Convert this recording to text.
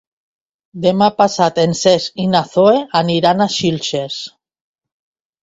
Demà passat en Cesc i na Zoè aniran a Xilxes.